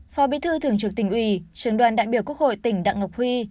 phó bị thư thường trực tỉnh uy trường đoàn đại biểu quốc hội tỉnh đặng ngọc huy